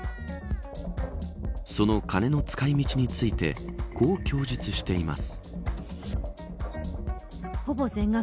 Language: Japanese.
その金の使い道についてこう供述しています。